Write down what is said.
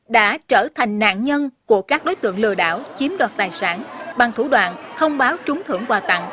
đã trở thành nạn nhân của các đối tượng lừa đảo chiếm đoạt tài sản bằng thủ đoạn thông báo trúng thưởng quà tặng